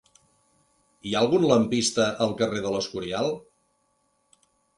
Hi ha algun lampista al carrer de l'Escorial?